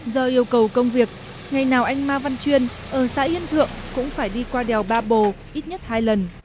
do yêu cầu công việc ngày nào anh ma văn chuyên ở xã yên thượng cũng phải đi qua đèo ba bồ ít nhất hai lần